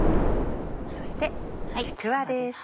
そしてちくわです。